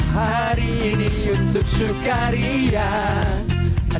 hari ini untuk sukaria